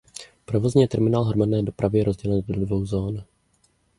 Provozně je terminál hromadné dopravy rozdělen do dvou zón.